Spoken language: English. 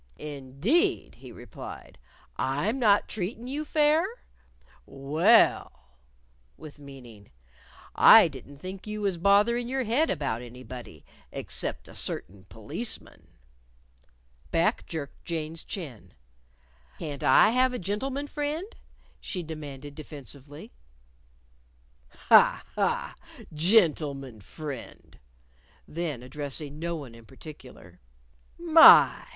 "Indeed!" he replied. "I'm not treatin' you fair? Well," (with meaning) "I didn't think you was botherin' your head about anybody except a certain policeman." Back jerked Jane's chin. "Can't I have a gentleman friend?" she demanded defensively. "Ha! ha! Gentleman friend!" Then, addressing no one in particular, "My!